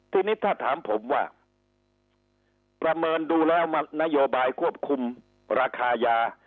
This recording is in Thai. ทีนี้ถ้าถามผมว่าประเมินดูแล้วนโยบายควบคุมราคายา